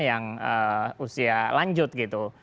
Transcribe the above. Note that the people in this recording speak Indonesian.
yang usia lanjut gitu